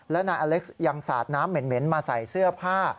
และนายอเล็กซ์ยังสาดน้ำเหม็นมาใส่เสื้อผ้า